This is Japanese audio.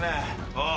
ああ。